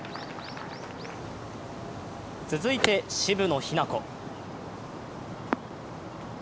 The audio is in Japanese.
続いて、渋野日向子。